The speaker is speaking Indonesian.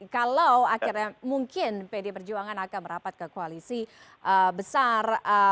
kalau akhirnya mungkin pd perjuangan akan merapat ke koalisi besar